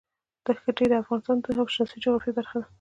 ښتې د افغانستان د سیاسي جغرافیه برخه ده.